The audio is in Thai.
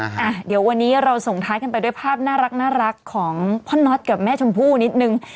อ่ะเดี๋ยววันนี้เราส่งท้ายกันไปด้วยภาพน่ารักของพ่อน็อตกับแม่ชมพู่นิดนึง